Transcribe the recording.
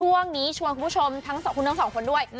ช่วงนี้ช่วงคุณผู้ชมคุณทั้ง๒คนด้วย